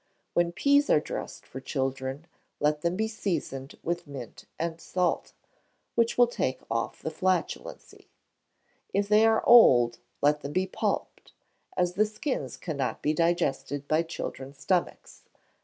When peas are dressed for children, let them be seasoned with mint and salt, which will take off the flatulency. If they are old, let them be pulped, as the skins cannot be digested by children's stomachs.